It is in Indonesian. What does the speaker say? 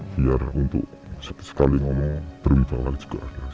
biar untuk sekali sekali ngomong berwibawa juga